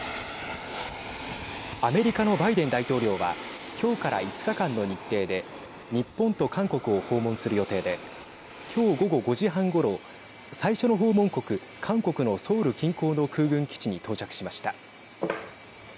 アメリカのバイデン大統領はきょうから５日間の日程で日本と韓国を訪問する予定できょう、午後５時半ごろ最初の訪問国韓国のソウル近郊の空軍基地に到着しました。